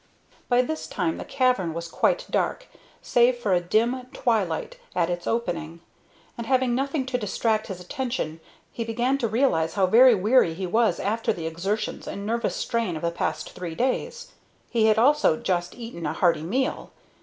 By this time the cavern was quite dark, save for a dim twilight at its opening; and, having nothing to distract his attention, he began to realize how very weary he was after the exertions and nervous strain of the past three days. He had also just eaten a hearty meal.